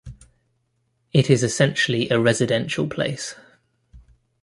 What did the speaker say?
It is essentially a residential place.